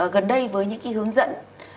gần đây với những cái hướng dẫn